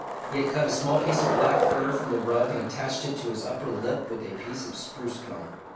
He had cut a small piece of black fur from the rug and attached it to his upper lip with a piece of spruce gum.